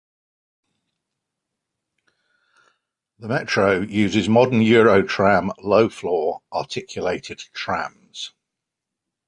The Metro uses modern Eurotram low-floor, articulated trams.